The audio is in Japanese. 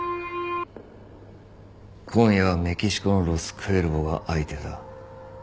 今夜はメキシコのロス・クエルボが相手だ。